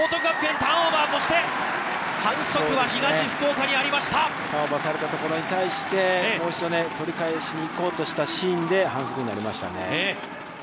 ターンオーバーされたところに対して、もう一度、取り返しに行こうとしたシーンで反則になりましたね。